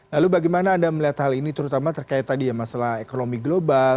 lalu bagaimana anda melihat hal ini terutama terkait tadi ya masalah ekonomi global